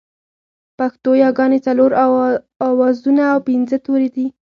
پښتو ياگانې څلور آوازونه او پينځه توري دي